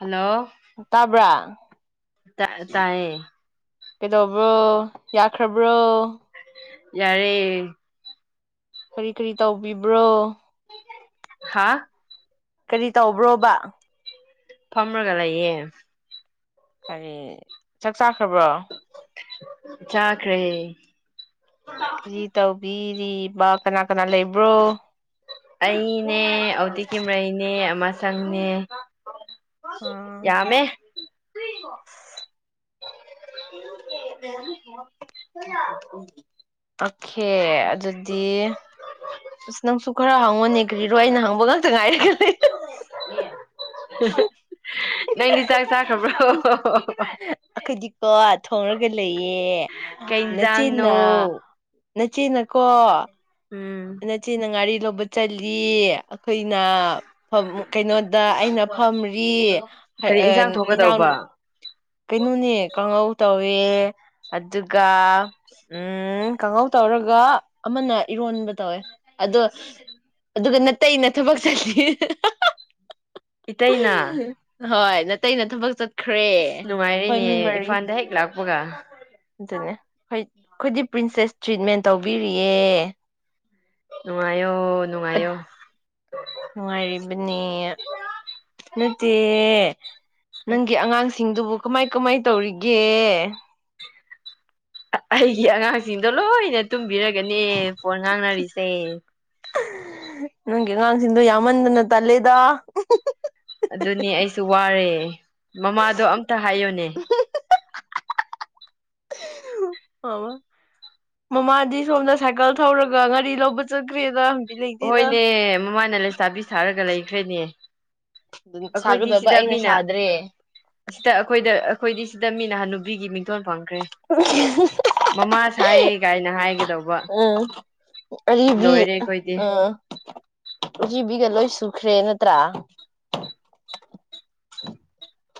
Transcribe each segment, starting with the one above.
hello ꯇꯥꯕ꯭ꯔꯥ ꯇꯥ ꯇꯥꯏꯌꯦ ꯀꯩꯗꯧꯕ꯭ꯔꯣ ꯌꯥꯈ꯭ꯔꯕ꯭ꯔꯣ ꯌꯥꯔꯦ ꯀꯔꯤ ꯀꯔꯤ ꯇꯧꯕꯤꯕ꯭ꯔꯣ ꯍꯥꯥ ꯀꯔꯤ ꯇꯧꯕ꯭ꯔꯣꯕ ꯐꯝꯔꯒꯂꯩꯌꯦ ꯀꯔꯤ ꯆꯥꯛ ꯆꯥꯈ꯭ꯔꯕ꯭ꯔꯣ ꯆꯥꯈ꯭ꯔꯦ ꯀꯔꯤ ꯇꯧꯕꯤ [unintelligible] ꯑꯩꯅꯦ ꯑꯣꯗꯤ ꯀꯦꯃꯩ ꯅꯦ ꯑꯃ ꯆꯪꯅꯦ ꯑꯥ ꯌꯥꯃꯦ [unintelligible] ꯑꯣꯈꯦ ꯑꯗꯨꯗꯤ ꯑꯁ ꯅꯪꯁꯨ ꯈꯔ ꯍꯪꯉꯣꯅꯦ ꯀ꯭ꯔꯤꯔꯣ ꯑꯩꯅ ꯍꯪꯕ ꯉꯥꯛꯇ ꯉꯥꯏꯔꯦ ꯅꯪꯗꯤ ꯆꯥꯛ ꯆꯥꯈ꯭ꯔꯕ꯭ꯔꯣ ꯑꯈꯣꯏꯗꯤꯀꯣ ꯊꯣꯡꯔꯒ ꯂꯩꯌꯦ ꯀꯩ ꯏꯟꯖꯥꯡꯅꯣ ꯅꯆꯤꯟꯅ ꯅꯆꯦꯅ ꯀꯣ ꯎꯝ ꯅꯆꯦꯅꯥ ꯉꯥꯔꯤ ꯂꯧꯕ ꯆꯜꯂꯤ ꯈꯣꯏꯅ ꯀꯩꯅꯣꯗ ꯑꯩꯅ ꯐꯝꯔꯤ ꯀꯔꯤ ꯏꯟꯁꯥꯡ ꯏꯅꯥꯎ ꯊꯣꯛꯀꯗꯧꯕ ꯀꯩꯅꯣꯅꯦ ꯀꯥꯡꯍꯧ ꯇꯧꯋꯦ ꯑꯗꯨꯒ ꯎꯝ ꯀꯥꯡꯍꯧ ꯇꯧꯔꯒ ꯑꯃꯅ ꯏꯔꯣꯟꯕ ꯇꯧꯋꯦ ꯑꯗꯣ ꯑꯗꯨꯒ ꯇꯩꯅ ꯊꯕꯛ ꯆꯠꯂꯤ ꯏꯇꯩꯅ ꯍꯣꯏ ꯅꯇꯩꯩꯅ ꯊꯕꯛ ꯆꯠ ꯈ꯭ꯔꯦ ꯉꯥꯏꯔꯦꯅꯦ ꯏꯝꯐꯥꯜꯗ ꯍꯦꯛ ꯂꯥꯛ ꯄꯨꯒ ꯑꯗꯨꯅꯦ ꯍꯣꯏ ꯑꯩꯈꯣꯏꯗꯤ ꯄ꯭ꯔꯤꯟꯁꯦꯁ ꯇ꯭ꯔꯤꯠꯃꯦꯟ ꯇꯧꯕꯤꯔꯤꯌꯦ ꯅꯨꯡꯉꯥꯏꯌꯣ ꯅꯨꯡꯉꯥꯏꯌꯣ ꯅꯨꯡꯉꯥꯏꯔꯤꯕꯅꯦ ꯅꯠꯇꯦ ꯅꯪꯒꯤ ꯑꯉꯥꯡ ꯁꯤꯡꯗꯨꯕꯨ ꯀꯃꯥꯏ ꯀꯃꯥꯏ ꯇꯧꯔꯤꯒꯦ ꯑꯩꯒꯤ ꯑꯉꯥꯡꯁꯤꯡꯗꯣ ꯂꯣꯏꯅ ꯇꯨꯝꯕꯤꯔꯒꯅꯦ ꯐꯣꯟ ꯉꯥꯡꯅꯔꯤꯁꯦ ꯅꯪꯒꯤ ꯑꯉꯥꯡꯁꯤꯡꯗꯣ ꯌꯥꯝꯃꯟꯗꯅ ꯇꯜꯂꯦꯗ ꯑꯗꯨꯅꯦ ꯑꯩꯁꯨ ꯋꯥꯔꯦ ꯃꯃꯥꯗꯣ ꯑꯝꯇ ꯍꯥꯏꯌꯣꯅꯦ ꯃꯃꯥꯗꯤ ꯁꯣꯝꯗ ꯁꯥꯏꯀꯜ ꯊꯧꯔꯒ ꯉꯥꯔꯤ ꯂꯧꯕ ꯆꯠꯈ꯭ꯔꯦꯗ ꯂꯩꯇꯦꯗ ꯍꯣꯏꯅꯦ ꯃꯃꯥꯏ ꯅ ꯂꯩꯁꯥꯕꯤ ꯁꯥꯔꯒ ꯂꯩꯈ꯭ꯔꯦꯅꯦ ꯑꯩꯈꯣꯏꯗꯤ ꯁꯥꯒꯗꯕ ꯁꯤꯗ ꯑꯩꯅ ꯃꯤꯅ ꯁꯥꯗ꯭ꯔꯦ ꯁꯤꯗ ꯑꯩꯈꯣꯏꯗ ꯑꯩꯈꯣꯏꯗꯤ ꯁꯤꯗ ꯃꯤꯅ ꯍꯟꯅꯨꯕꯤꯒꯤ ꯃꯤꯡꯊꯣꯜ ꯄꯥꯡꯉꯤ ꯦ ꯃꯃꯥꯥꯁ ꯍꯥꯏꯌꯦ ꯀꯥꯏꯅ ꯍꯥꯏꯒꯗꯧꯕ ꯎꯝ ꯂꯣꯏꯔꯦ ꯑꯩꯈꯣꯏꯗꯤ ꯎꯖꯤꯕꯤꯒ ꯂꯣꯏ ꯁꯨꯈ꯭ꯔꯦ ꯅꯠꯇ꯭ꯔꯥ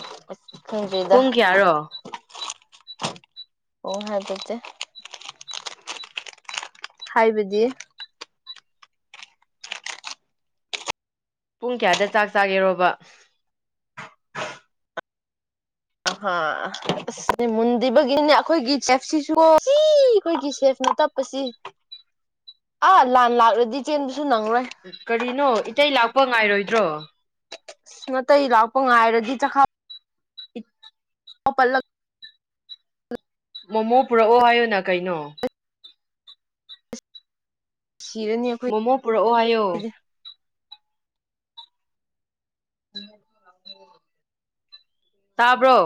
[unintelligible] ꯍꯤꯟꯗꯔꯤꯗ ꯄꯨꯡ ꯀꯌꯥꯔꯣ ꯎ ꯍꯥꯗ ꯆ ꯍꯥꯏꯕꯗꯤ ꯄꯨꯡ ꯀꯌꯥꯗ ꯆꯥꯛ ꯆꯥꯒꯦꯔꯣꯕ ꯑꯍꯥ ꯑꯁꯅꯦ ꯃꯨꯟꯗ꯭ꯕꯒꯤꯅꯤꯅꯦ ꯑꯩꯈꯣꯏꯒꯤ ꯁꯦꯞꯁꯤꯁꯨ ꯁꯤ ꯑꯩꯈꯣꯏꯒꯤ ꯁꯦꯐꯅ ꯇꯞꯄꯁꯤ ꯑꯥ ꯂꯥꯟ ꯂꯥꯛꯂꯗꯤ ꯆꯦꯟꯕꯁꯨ ꯅꯪꯔꯣꯏ ꯀꯔꯤꯅꯣ ꯏꯇꯩ ꯂꯥꯛꯄ ꯉꯥꯏꯔꯣꯏꯗ꯭ꯔꯣ ꯅꯥꯇꯩ ꯂꯥꯛꯄ ꯉꯥꯏꯔꯗꯤ ꯆꯈꯥꯎ ꯏ ꯑꯣ ꯄꯜꯂ ꯃꯣꯃꯣ ꯄꯨꯔꯛꯑꯣ ꯍꯥꯏꯌꯨꯅ ꯀꯩꯅꯣ ꯁꯤꯔꯅꯤ ꯑꯩꯈꯣꯏꯗꯤ ꯃꯣꯃꯣ ꯄꯨꯔꯛꯑꯣ ꯍꯥꯏꯌꯣ ꯎꯝ ꯇꯥꯕ꯭ꯔꯣ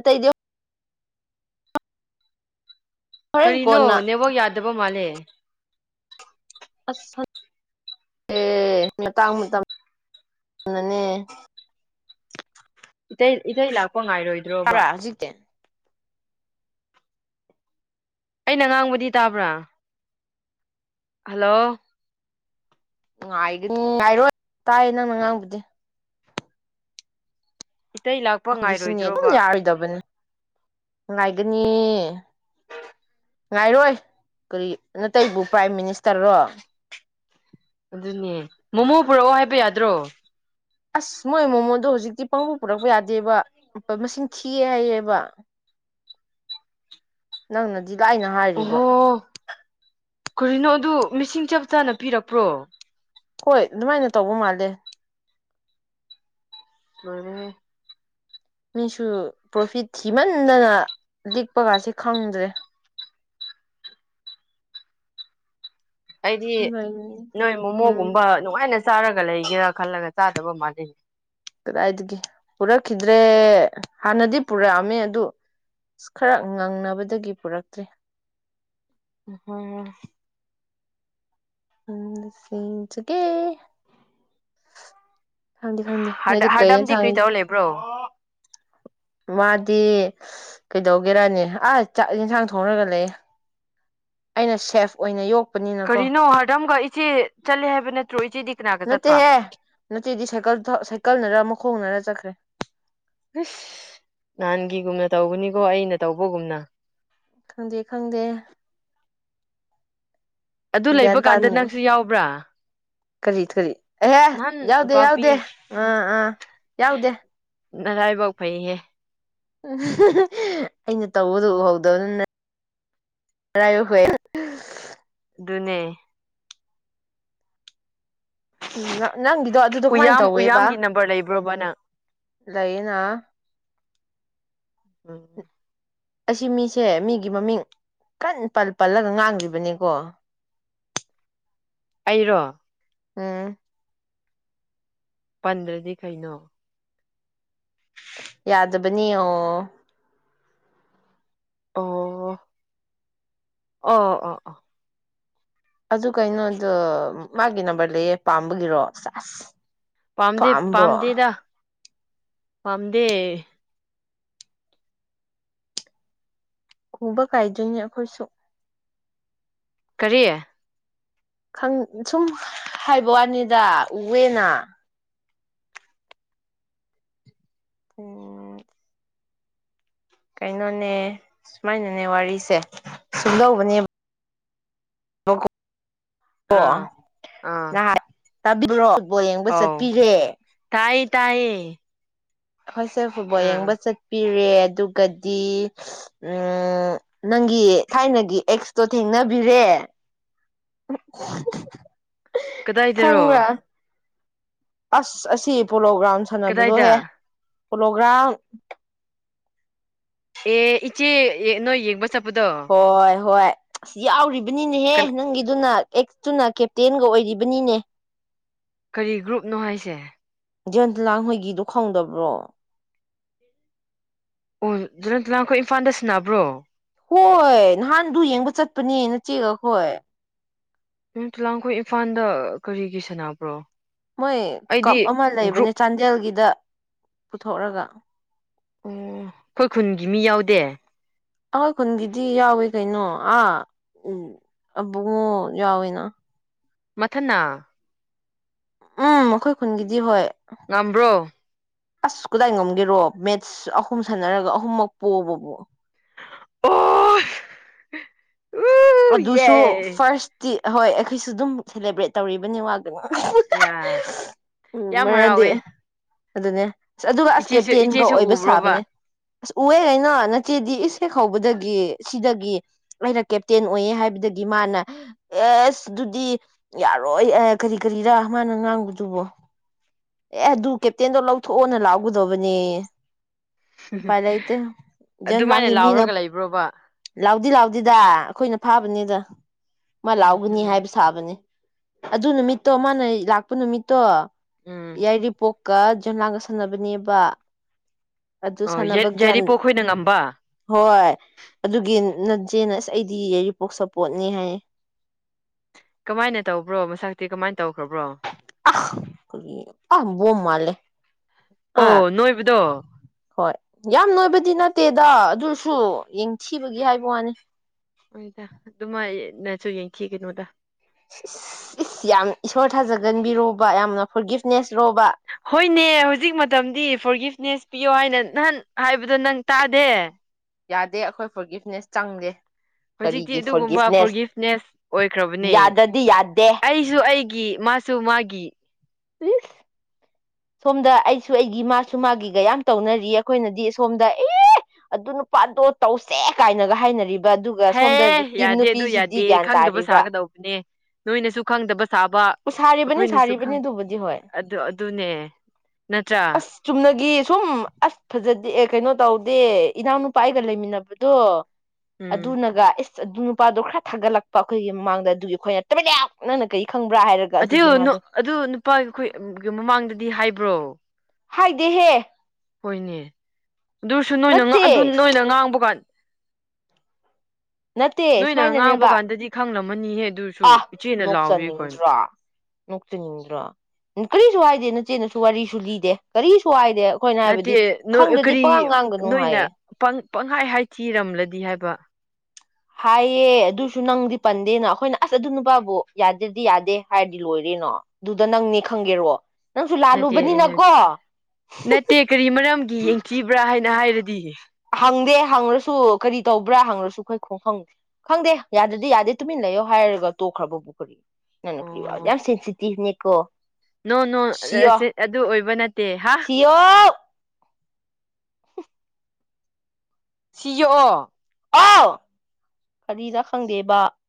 ꯠꯇꯗꯣ ꯍꯣꯔꯦꯟ ꯀꯔꯤꯅꯣ ꯀꯣꯟꯅ ꯅꯦꯕꯣꯛ ꯌꯥꯗꯕ ꯃꯥꯜꯂꯦ [unintelligible] ꯑꯁ ꯑꯦ ꯃꯇꯥꯡ ꯃꯇꯝꯅꯅꯦ ꯏ ꯏ ꯏ ꯂꯥꯛ ꯀꯣꯛꯄ ꯉꯥꯏꯔꯣꯏꯗ꯭ꯔꯣꯕ ꯇꯥꯕ꯭ꯔꯥ ꯍꯧꯖꯤꯛꯇꯤ ꯑꯩꯅ ꯉꯥꯡꯕꯗꯤ ꯇꯥꯕ꯭ꯔꯥ ꯍꯂꯣ ꯉꯥꯏꯒꯅꯤ ꯉꯥꯏꯔꯣꯏ ꯇꯥꯏꯌꯦ ꯅꯪꯅ ꯉꯥꯡꯕꯗꯤ ꯏꯇꯩ ꯂꯥꯛꯄ ꯑꯩꯈꯣꯏꯒꯤ ꯁꯤꯅꯦ ꯑꯗꯨꯝ ꯉꯥꯏꯔꯣꯏꯗ꯭ꯔꯣꯕ ꯌꯥꯔꯣꯏꯗꯕꯅꯦ ꯉꯥꯏꯒꯅꯤ ꯉꯥꯏꯔꯣꯏ ꯀꯔꯤ ꯅꯇꯩꯕꯨ ꯄ꯭ꯔꯥꯏꯝ ꯃꯤꯅꯤꯁꯇꯔꯣ ꯑꯗꯨꯅꯦ ꯃꯣꯃꯣ ꯄꯨꯔꯛꯑꯣ ꯍꯥꯏꯕ ꯌꯥꯗ꯭ꯔꯣ ꯑꯁ ꯃꯣꯏ ꯃꯣꯃꯣꯗꯣ ꯍꯧꯖꯤꯛꯇꯤ ꯄꯥꯡꯕꯨ ꯄꯨꯔꯛꯄ ꯌꯥꯗꯦꯕ ꯃꯁꯤꯡ ꯊꯤꯑꯦ ꯍꯥꯏꯌꯦꯕ ꯅꯪ ꯅ ꯁꯤꯗ ꯑꯩꯅ ꯍꯥꯏꯔꯤꯕ ꯀꯣꯔꯤꯅꯣ ꯑꯗꯨ ꯃꯤꯁꯤꯡ ꯆꯞ ꯆꯥꯅ ꯄꯤꯔꯛꯄ꯭ꯔꯣ ꯍꯣꯏ ꯑꯗꯨꯃꯥꯏꯅ ꯇꯧꯕ ꯃꯥꯜꯂꯦ ꯃꯅꯦ ꯃꯤꯁꯨ ꯄ꯭ꯔꯣꯐꯤꯠ ꯊꯤꯃꯟꯗꯅ ꯂꯤꯛꯄꯒꯁꯤꯦ ꯈꯪꯗ꯭ꯔꯦ ꯑꯩꯗꯤ ꯎꯝ ꯅꯣꯏ ꯃꯣꯃꯣꯒꯨꯝꯕ ꯅꯨꯡꯉꯥꯏꯅ ꯆꯥꯔꯒ ꯂꯩꯒꯦꯔꯥ ꯈꯜꯂꯒ ꯆꯥꯗꯕ ꯃꯥꯥꯟꯅꯩ ꯀꯗꯥꯏꯗꯒꯤ ꯄꯨꯔꯛꯈꯤꯗ꯭ꯔꯦ ꯍꯥꯟꯅꯗꯤ ꯄꯨꯔꯛꯑꯝꯃꯦ ꯑꯗꯨ ꯑꯁ ꯈꯔ ꯉꯪꯅꯕꯗꯒꯤ ꯄꯨꯔꯛꯇ꯭꯭ꯔꯦ ꯍꯝ ꯑ ꯁꯤ ꯏꯟꯆꯀꯦ ꯈꯪꯗꯦ ꯈꯪꯗꯦ ꯅꯣꯏꯗꯤ ꯀꯩ ꯍꯥꯔꯗꯝꯗꯤ ꯌꯦꯟꯁꯥꯡ ꯀꯔꯤ ꯇꯧ ꯂꯩꯕ꯭ꯔꯣ ꯃꯥꯗꯤ ꯀꯩꯗꯧꯒꯦꯔꯅꯦ ꯑ ꯆꯥꯛ ꯌꯦꯟꯁꯥꯡ ꯊꯣꯡꯉꯒ ꯂꯩ ꯑꯩꯅ ꯁꯦꯐ ꯑꯣꯏꯅ ꯌꯣꯛ ꯀꯔꯤꯅꯣ ꯍꯔꯗꯝꯒ ꯏꯆꯦ ꯆꯠꯂꯦ ꯍꯥꯏꯕꯅ ꯅꯠꯇꯦꯍꯦ ꯅꯠꯇꯦꯗꯤ ꯁꯩꯀꯜ ꯁꯩꯀꯜꯅꯔ ꯑꯃꯨꯛ ꯈꯣꯡꯔꯥ ꯆꯠꯈ꯭ꯔꯦ ꯑꯁ ꯅꯍꯥꯟꯒꯤꯒꯨꯝꯅ ꯇꯧꯕꯅꯤꯀꯣ ꯑꯩꯅ ꯇꯧꯕꯒꯨꯝꯅ ꯈꯪꯗꯦ ꯈꯪꯗꯦ ꯑꯗꯨ ꯂꯩꯕ ꯀꯥꯟꯗ ꯅꯪꯁꯨ ꯌꯥꯎꯕ꯭ꯔꯥ ꯈꯔꯤ ꯈꯔꯤ ꯑꯦꯍꯦ ꯅꯍꯥꯟ ꯌꯥꯎꯗꯦ ꯌꯥꯎꯗꯦ ꯄꯥꯛꯄꯤ ꯑꯥ ꯑꯥ ꯌꯥꯎꯗꯦ ꯅꯔꯏꯐꯥꯎ ꯐꯩꯍꯦ ꯑꯩꯅ ꯇꯧꯕꯗꯨ ꯎꯍꯧꯗꯕꯅꯤꯅ ꯄꯔꯥꯏꯨ ꯍꯌꯦ ꯅꯦ ꯎꯝ ꯅꯪꯒꯤꯗꯣ ꯑꯗꯨꯗꯣ ꯀꯃꯥꯏꯅ ꯎꯌꯥꯝ ꯇꯧꯋꯦꯕ ꯎꯌꯥꯝꯒꯤ ꯅꯝꯕꯔ ꯂꯩꯕ꯭ꯔꯣꯕ ꯅꯪ ꯂꯩꯅ ꯎꯝ ꯑꯁꯤ ꯃꯤꯁꯦ ꯃꯤꯒꯤ ꯃꯃꯤꯡ ꯀꯟ ꯄꯜ ꯄꯜꯂꯒ ꯉꯥꯡꯒꯤꯕꯅꯦ ꯀꯣ ꯑꯩꯔꯣ ꯑꯝ ꯄꯟꯗ꯭ꯔꯗꯤ ꯀꯩꯅꯣ ꯌꯥꯗꯕꯅꯤ ꯑꯣ ꯑꯣ ꯑꯣ ꯑꯣ ꯑꯣ ꯑꯗꯨ ꯀꯩꯅꯣꯗꯨ ꯃꯥꯒꯤ ꯅꯝꯕꯔ ꯂꯩꯌꯦ ꯄꯥꯝꯕꯒꯤꯔꯣ ꯁꯦꯁ ꯄꯥꯝꯗꯦ ꯄꯥꯝꯕ꯭ꯔꯣ ꯄꯥꯝꯗꯦꯗ ꯄꯥꯝꯗꯦ ꯎꯕ ꯀꯥꯏꯗꯣꯏꯅꯦ ꯑꯩꯈꯣꯏꯁꯨ ꯀꯔꯤ ꯈꯪ ꯁꯨꯝ ꯍꯥꯏꯕ ꯋꯥꯅꯤꯗ ꯎꯋꯦꯅ ꯑꯝ ꯀꯩꯅꯣꯅꯦ ꯁꯨꯃꯥꯏꯅꯅꯦ ꯋꯥꯔꯤꯁꯦ ꯁꯨꯝꯗꯧꯕꯅꯦꯕ [unintelligible] ꯑꯥ ꯑꯥ ꯇꯕꯤꯕ꯭ꯔꯣ ꯕꯣꯜ ꯌꯦꯡꯕ ꯆꯠꯄꯤꯔꯦ ꯇꯥꯢꯌꯦ ꯍꯣꯏ ꯁꯦ ꯐꯨꯠꯕꯣꯜ ꯌꯦꯡꯕ ꯆꯠꯄꯤ ꯔꯦ ꯑꯗꯨꯒꯗꯤ ꯎꯝ ꯅꯪꯒꯤ ꯊꯥꯏꯅꯒꯤ ꯑꯦꯛꯁꯇꯣ ꯊꯦꯡꯅꯕꯤꯔꯦ ꯀꯗꯥꯏꯗꯔꯣ ꯈꯪꯕ꯭ꯔꯥ ꯑꯁ ꯑꯁꯤ ꯄꯣꯂꯣ ꯒ꯭ꯔꯥꯎꯟ ꯀꯗꯥꯏꯗ ꯁꯥꯟꯅꯕꯗꯣꯍꯦ ꯄꯣꯂꯣꯒ꯭ꯔꯥꯎꯟ ꯑꯦ ꯏꯆꯦ ꯅꯣꯏ ꯌꯦꯡꯕꯆꯠ ꯍꯣꯏ ꯍꯣꯏ ꯑꯁ ꯌꯥꯎꯔꯤꯕ ꯅꯤꯅꯥꯍꯦ ꯀꯅꯥ ꯅꯪꯒꯤꯗꯨꯅ ꯑꯦꯛꯁꯇꯨꯅ ꯀꯦꯞꯇꯦꯟꯒ ꯑꯣꯏꯔꯤꯕꯅꯤꯅꯦ ꯀꯔꯤ ꯒ꯭ꯔꯨꯞꯅꯣ ꯍꯥꯏꯁꯦ ꯖꯟ ꯂꯥꯡ ꯍꯣꯏꯒꯤꯗꯣ ꯈꯪꯗꯕ꯭ꯔꯣ ꯑꯣ ꯖꯟ ꯂꯥꯡ ꯈꯣꯏ ꯏꯝꯐꯥꯜꯗ ꯁꯥꯟꯅꯕ꯭ꯔꯣ ꯍꯣꯏ ꯅꯍꯥꯟꯗꯨ ꯌꯦꯡꯕ ꯆꯠꯄꯅꯦ ꯅꯆꯦꯒ ꯑꯈ‌ꯣꯏ ꯖꯟꯂꯥꯡ ꯈ‌ꯣꯏ ꯏꯝꯐꯥꯜꯗ ꯀꯔꯤꯒꯤ ꯁꯅꯕ꯭ꯔꯣ ꯃꯣꯏ ꯀꯞ ꯑꯃ ꯂꯩꯕꯅꯦ ꯆꯥꯟꯗꯦꯜꯒꯤꯗ ꯄꯨꯊꯣꯛꯔꯒ ꯑꯣ ꯑꯩꯈꯣꯏ ꯈꯨꯟꯒꯤ ꯃꯤ ꯌꯥꯎꯗꯦ ꯑꯩꯈꯣꯏ ꯈꯨꯟꯒꯤꯗꯤ ꯌꯥꯎꯋꯤ ꯀꯩꯅꯣ ꯑꯥ ꯎ ꯑꯕꯨꯡꯉꯣ ꯌꯥꯎꯋꯤꯅ ꯃꯊꯅꯥ ꯎꯝ ꯃꯈꯣꯏ ꯈꯨꯟꯒꯤꯗꯤ ꯍꯣꯏ ꯉꯝꯕ꯭ꯔꯣ ꯑꯁ ꯀꯗꯥꯏ ꯉꯝꯒꯦꯔꯣ ꯃꯦꯠꯁ ꯑꯍꯨꯝ ꯁꯥꯟꯅꯔꯒ ꯑꯍꯨꯝꯃꯛ ꯄꯣꯕꯕꯨ ꯑꯣ ꯎ ꯑꯗꯨꯁꯨꯣ ꯌꯦ ꯐꯔꯁꯇꯤ ꯑꯍꯣꯏ ꯑꯩꯈꯣꯏꯁꯨ ꯑꯗꯨꯝ ꯁꯦꯂꯦꯕ꯭ꯔꯦꯠ ꯇꯧꯔꯤꯕꯅꯤ ꯋꯥ ꯌꯥ ꯎꯝ ꯌꯥꯝ ꯃꯔꯝꯗꯤ ꯍꯔꯥꯎꯋꯦ ꯑꯗꯨꯅꯦ ꯑꯁ ꯑꯗꯨꯒ ꯑꯁ ꯏꯆꯦꯁꯨ ꯀꯦꯞꯇꯦꯟꯒ ꯏꯆꯦꯁꯨ ꯑꯣꯏꯕ ꯁꯥꯕꯅꯦ ꯎꯕ꯭ꯔꯣꯕ ꯑꯁ ꯎꯑꯦ ꯀꯩꯅ ꯅꯆꯦꯗꯤ ꯏꯁ ꯍ‌ꯦꯛ ꯍꯧꯕꯗꯒꯤ ꯁꯤꯗꯒꯤ ꯂ‌ꯣꯏꯅ ꯀꯦꯞꯇꯦꯟ ꯑꯣꯏꯌꯦ ꯍꯥꯏꯕꯗꯒꯤ ꯃꯥꯅ ꯑꯦꯁ ꯑꯗꯨꯗꯤ ꯌꯥꯔꯣꯏ ꯀꯔꯤ ꯀꯔꯤꯔꯥ ꯃꯥꯅ ꯉꯥꯡꯕꯗꯨꯕꯣ ꯑꯦ ꯑꯗꯨ ꯀꯦꯞꯇꯦꯟꯗꯣ ꯂꯧꯊꯣꯛꯑꯣꯅ ꯂꯥꯛꯒꯗꯕꯅꯦ ꯎꯄꯥꯏ ꯂꯩꯇꯦ ꯖꯟ ꯑꯗꯨꯃꯥꯏꯅ ꯂꯥꯡꯗꯤ ꯃꯤꯅ ꯂꯥꯎꯔꯒ ꯂꯩꯕ꯭ꯔꯣꯕ ꯂꯥꯎꯗꯤ ꯂꯥꯎꯗꯤꯗ ꯑꯩꯈꯣꯏꯅ ꯐꯥꯕꯅꯤꯗ ꯃꯥ ꯎꯝ ꯂꯥꯎꯒꯅꯤ ꯎꯝ ꯍꯥꯏꯕ ꯁꯥꯕꯅꯤ ꯑꯗꯨ ꯅꯨꯃꯤꯠꯇꯣ ꯃꯥꯅ ꯂꯥꯛꯄ ꯅꯨꯃꯤꯠꯇꯣ ꯎꯝ ꯀ ꯖꯟ ꯂꯥꯡꯒ ꯁꯥꯟꯅꯕꯅꯦꯕ ꯑꯗꯨ ꯑꯣ ꯁꯥꯟꯅꯕ ꯒ꯭ꯌꯥꯟ ꯌꯥꯏꯔꯤꯄꯣꯛ ꯑꯩꯈꯣꯏꯅ ꯉꯝꯕ ꯍꯣꯏ ꯑꯗꯨꯒꯤ ꯅꯆ‌ꯦꯅꯥ ꯑꯁ ꯑꯩꯗꯤ ꯌꯥꯏꯔꯤꯄꯣꯛ ꯁꯄꯣꯔꯠꯅꯤ ꯍꯥꯏ ꯀꯃꯥꯏꯅ ꯇꯧꯕ꯭ꯔꯣ ꯃꯁꯛꯇꯤ ꯀꯃꯥꯏꯅ ꯇꯧꯈ꯭ꯔꯕ꯭ꯔꯣ ꯑ ꯕ‌ꯣꯝ ꯃꯥꯜꯂ‌ꯦ ꯑꯥ ꯑꯣ ꯅꯣꯏꯕꯗꯣ ꯍꯣꯏ ꯌꯥꯝ ꯅꯣꯏꯕꯗꯤ ꯅꯠ ꯇꯦꯗ ꯑꯗꯨꯁꯨ ꯌꯦꯡꯊꯤꯕꯒꯤ ꯍꯥꯏꯕ ꯋꯥꯅꯤ ꯍꯣꯏꯗ ꯑꯗꯨꯃꯅꯁꯨ ꯌꯦꯡꯈꯤ ꯀꯩꯅꯣꯗ ꯏꯁ ꯏꯁ ꯌꯥꯝ ꯏꯁꯣꯔ ꯊꯥꯖꯒꯟꯕꯤꯔꯣꯕ ꯌꯥꯝꯅ ꯐꯣꯔꯒꯤꯐꯅꯦꯁ ꯂꯣꯕ ꯍꯣꯏꯅꯦ ꯍꯧꯖꯤꯛ ꯃꯇꯝꯗꯤ ꯐꯣꯔ ꯒꯤꯐꯅꯦꯁ ꯄꯤꯌꯣ ꯍꯥꯏꯅ ꯅꯍꯥꯟ ꯍꯥꯏꯕꯗꯣ ꯅꯪ ꯇꯥꯗꯦ ꯌꯥꯗꯦ ꯑꯩꯈꯣꯏ ꯐꯣꯔ ꯒꯤꯐꯅꯦꯁ ꯆꯪꯂꯗꯦ ꯍꯧꯖꯤꯛꯇꯤ ꯑꯗꯨꯒꯨꯝꯕ ꯐꯣꯔꯒꯤꯐꯅꯦꯁ ꯑꯣꯏꯈ꯭ꯔꯕꯅꯦ ꯌꯥꯗꯗꯤ ꯌꯥꯗꯦ ꯑꯩꯁꯨ ꯑꯩꯒꯤ ꯃꯥꯁꯨꯨ ꯃꯥꯒꯤ ꯄ ꯁꯣꯝꯗ ꯑꯩꯁꯨ ꯑꯩꯒꯤ ꯃꯥꯁꯨ ꯃꯥꯒꯤꯒ ꯌꯥꯝ ꯇꯧꯅꯔꯤ ꯑꯩꯈꯣꯏꯅꯗꯤ ꯁꯣꯝꯗ ꯑꯦ ꯑꯗꯨ ꯅꯨꯄꯥꯗꯣ ꯇꯧꯁꯦ ꯀꯥꯏꯅꯒ ꯍꯥꯏꯅꯔꯤꯕ ꯑꯗꯨꯒ ꯍꯦ ꯁꯣꯝꯗ ꯚꯤꯛꯇꯤꯝ ꯌꯥꯗꯦ ꯑꯗꯨ ꯅꯨꯄꯤꯁꯤꯗꯤ ꯌꯥꯗꯦ ꯒ꯭ꯌꯥꯟ ꯈꯪꯗꯕ ꯇꯥꯔꯤꯕ ꯁꯥꯒꯗꯧꯕꯅꯦ ꯅꯣꯏꯅꯁꯨ ꯈꯪꯗꯕ ꯁꯥꯕ ꯁꯥꯔꯤꯕꯅꯤ ꯑꯩꯈꯣꯏꯅꯁꯨ ꯁꯥꯔꯤꯕꯅꯤ ꯑꯗꯨꯕꯨꯗꯤ ꯍꯣꯏ ꯑꯗꯨ ꯑꯗꯨꯅꯦ ꯅꯠꯇ꯭ꯔꯥ ꯑꯁ ꯆꯨꯝꯅꯒꯤ ꯁꯨꯝ ꯑꯁ ꯐꯖ ꯑꯦ ꯀꯩꯅꯣ ꯇꯧꯗꯦ ꯏꯅꯥꯎ ꯅꯨꯨꯄꯥ ꯑꯩꯒ ꯂꯩꯃꯤꯟꯅꯕꯗꯣ ꯎꯝ ꯑꯗꯨꯅꯒ ꯑꯗꯨ ꯅꯨꯄꯥꯗꯣ ꯈꯔ ꯊꯥꯒꯠꯂꯛꯄ ꯑꯩꯈꯣꯏꯒꯤ ꯃꯃꯥꯡꯗ ꯑꯗꯨꯒꯤ ꯑꯩꯈꯣꯏꯅ ꯇꯃꯤꯟꯅ ꯂꯛ ꯅꯪꯅ ꯀꯩ ꯑꯗꯨ ꯑꯗꯨ ꯅꯨꯄꯥꯒꯤ ꯑꯩꯈꯣꯏ ꯃꯃꯥꯡꯗ ꯗꯤ ꯍꯥꯏꯕ꯭ꯔꯣ ꯍꯥꯏꯗꯦꯍꯦ ꯍꯣꯏꯅꯦ ꯑꯗꯨꯁꯨ ꯅꯣꯏꯅ ꯅꯠꯇꯦ ꯑꯗꯨ ꯅꯣꯏꯅ ꯉꯥꯡꯕ ꯀꯥꯟ ꯅꯠꯇꯦ ꯅꯣꯏꯅ ꯉꯥꯡꯕ ꯁꯨꯃꯥꯏꯅꯅꯦꯕ ꯀꯥꯟꯗꯗꯤ ꯈꯪꯂꯝꯃꯅꯤꯍꯦ ꯑꯗꯨꯁꯨ ꯑ ꯏꯆꯦꯅ ꯂꯥꯎꯋꯤ ꯀꯩꯅꯣ ꯅꯣꯛꯆꯅꯤꯡꯗ꯭ꯔꯣ ꯅꯣꯛꯆꯅꯤꯡꯗ꯭ꯔꯣ ꯀꯔꯤꯁꯨ ꯍꯥꯏꯗꯦ ꯅ ꯏꯆꯦꯅꯁꯨ ꯋꯥꯔꯤꯁꯨ ꯂꯤꯗꯦ ꯀꯔꯤꯁꯨ ꯍꯥꯏ ꯅꯠꯇꯦ ꯀꯔꯤ ꯉꯥꯡꯒꯅꯨ ꯅꯣꯏꯅ ꯍꯥꯏꯌꯦ ꯄꯪꯈꯥꯏ ꯍꯥꯏ ꯊꯤꯔꯝꯂꯗꯤ ꯍꯥꯏꯕ ꯍꯥꯏꯌꯦ ꯑꯗꯨꯁꯨ ꯅꯪꯗꯤ ꯄꯟꯗꯦꯅ ꯑꯩꯈꯣꯏꯅ ꯑꯁ ꯑꯗꯨ ꯅꯨꯄꯥꯕꯨ ꯌꯥꯗ꯭ꯔꯗꯤ ꯌꯥꯗꯦ ꯍꯥꯏꯔꯗꯤ ꯂꯣꯏꯔꯦꯅꯣ ꯑꯗꯨꯗ ꯅꯪꯅꯦ ꯈꯪꯒꯦꯔꯣ ꯅꯪꯁꯨ ꯅꯠꯇꯦ ꯑꯩꯅ ꯍꯥꯏꯗꯤ ꯂꯥꯜꯂꯨꯕꯅꯤꯅꯀꯣ ꯅꯠꯇꯦ ꯀꯔꯤ ꯃꯔꯝꯒꯤ ꯌꯦꯡꯊꯤꯕ꯭ꯔꯥ ꯍꯥꯏ ꯍꯥꯏꯔꯗꯤ ꯍꯪꯗꯦ ꯍꯪꯉꯁꯨ ꯀꯔꯤ ꯇꯧꯕ꯭ꯔꯥ ꯍꯪꯉꯁꯨ ꯑꯩꯈꯣꯏ ꯈꯣꯡꯈꯪ ꯈꯪꯗꯦ ꯌꯥꯗꯗꯤ ꯌꯥꯗꯦ ꯇꯨꯃꯤꯟ ꯂꯩꯌꯣ ꯍꯥꯏꯔꯒ ꯇꯣꯛꯈ꯭ꯔꯕꯕꯨ ꯀꯔꯤ ꯅꯪꯅ ꯀꯔꯤ ꯋꯥ ꯑꯣ ꯌꯥꯝ ꯁꯦꯟꯁꯤꯇꯤꯚꯅꯦꯀꯣ ꯅꯣ ꯅꯣ ꯑꯗꯨ ꯑꯣꯏꯕ ꯅꯠꯇꯦ ꯍꯥ ꯁꯤꯌꯣ ꯁꯤ ꯌꯣꯛꯑꯣ ꯑꯥꯎ ꯀꯔꯤꯗ ꯈꯪꯗꯦꯕ